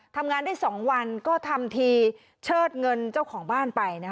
ทำงานได้๒วันก็ทำทีเชิดเงินเจ้าของบ้านไป